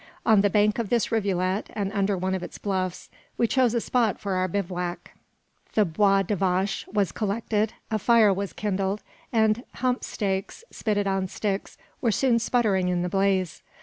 On the bank of this rivulet, and under one of its bluffs, we chose a spot for our bivouac. The bois de vache was collected, a fire was kindled, and hump steaks, spitted on sticks, were soon sputtering in the blaze.